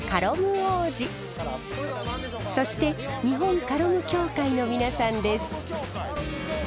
そして日本カロム協会の皆さんです。